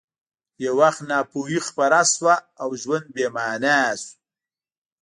یو وخت ناپوهي خپره شوه او ژوند بې مانا شو